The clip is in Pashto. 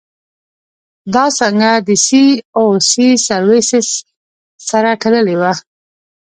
دا څانګه له سي او سي سرویسس سره تړلې وه.